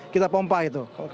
kita pompa itu